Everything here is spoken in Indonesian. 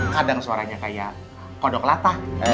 kadang suaranya kayak kodok latah